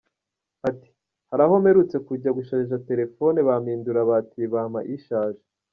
Ati “ Hari aho mperutse kujya gusharija telefone bampindurira batiri bampa ishaje.